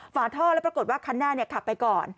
ฝาท่อแล้วปรากฏว่าคันหน้าขับไปก่อน